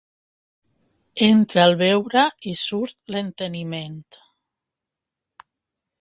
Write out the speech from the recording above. Entra el beure i surt l'enteniment.